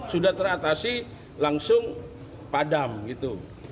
sudah teratasi langsung padam gitu